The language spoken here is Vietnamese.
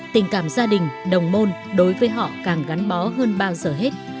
tình cảm gia đình đồng môn đối với họ càng gắn bó hơn bao giờ hết